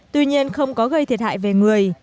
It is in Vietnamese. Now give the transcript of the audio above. tuy nhiên không có gây thiệt hại về người